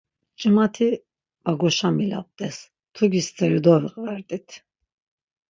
Mç̆ima ti va goşamilap̆t̆es... Mtugi steri doviqvert̆it.